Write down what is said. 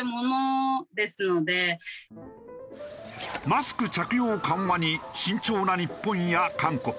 マスク着用緩和に慎重な日本や韓国。